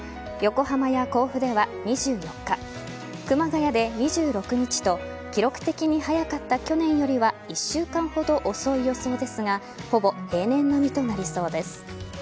横浜や甲府では２４日熊谷で２６日と記録的に早かった去年よりは１週間ほど遅い予想ですがほぼ平年並みとなりそうです。